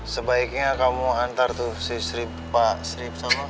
sebaiknya kamu antar tuh si sri pak sri apa